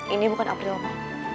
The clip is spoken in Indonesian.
ini bukan april ma